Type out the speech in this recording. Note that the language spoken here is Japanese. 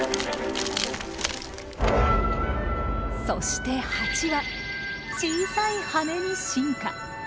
そしてハチは小さい羽に進化。